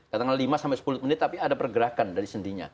katanya lima sepuluh menit tapi ada pergerakan dari sendinya